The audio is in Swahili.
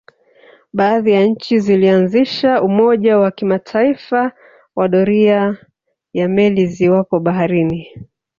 Baadhi ya nchi zilianzisha umoja wa kimataifa wa doria ya meli ziwapo baharini